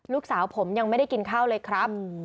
ลูกสาวผมยังไม่ได้กินข้าวเลยครับ